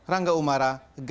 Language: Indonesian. rangga umara ganjil